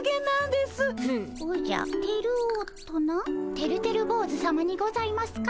てるてる坊主さまにございますか？